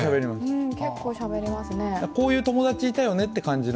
こういう友達いたよねっていう感じの。